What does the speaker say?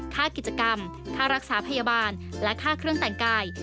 ค่ากิจกรรมค่ารักษาพยาบาลและค่าเครื่องแต่งกาย